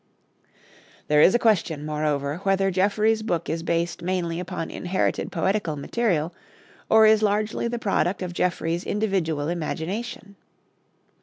There is a question, moreover, whether Geoffrey's book is based mainly upon inherited poetical material, or is largely the product of Geoffrey's individual imagination.